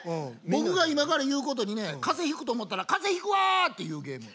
僕が今から言うことにね風邪ひくと思ったら「風邪ひくわ！」って言うゲーム。